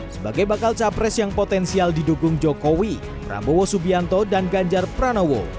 sebagai bakal capres yang potensial didukung jokowi prabowo subianto dan ganjar pranowo